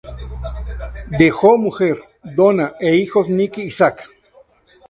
Dejó mujer, Donna, e hijos Nick y Zach.